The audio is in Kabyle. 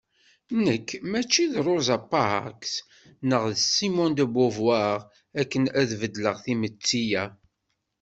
Nekk mačči d Rosa Parks neɣ Simone de Beauvoir akken ad beddleɣ timetti-ya.